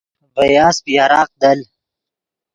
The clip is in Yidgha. ڤے یاسپ یراق دل